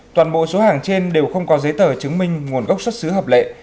toàn bộ số hàng trên đều không có giấy tờ chứng minh nguồn gốc xuất xứ hợp lệ